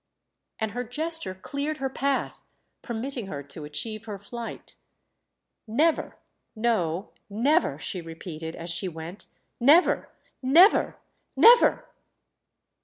And her gesture cleared her path, permitting her to achieve her flight. "Never, no, never," she repeated as she went—"never, never, never!"